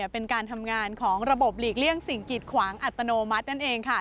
เป็นการทำงานของระบบหลีกเลี่ยงสิ่งกิดขวางอัตโนมัตินั่นเองค่ะ